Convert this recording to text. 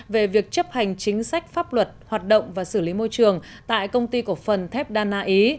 về việc chấp hành chính sách pháp luật hoạt động và xử lý môi trường tại công ty cổ phần thép đa na ý